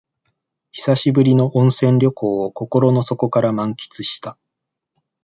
久しぶりの温泉旅行を心の底から満喫した